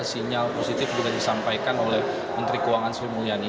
sinyal positif juga disampaikan oleh menteri keuangan sri mulyani